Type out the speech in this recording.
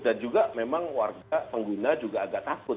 dan juga memang warga pengguna juga agak takut